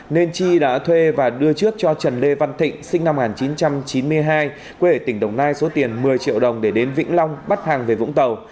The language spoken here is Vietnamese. nên chi đã thuê và đưa trước cho trần lê văn thịnh sinh năm một nghìn chín trăm chín mươi hai quê ở tỉnh đồng nai số tiền một mươi triệu đồng để đến vĩnh long bắt hàng về vũng tàu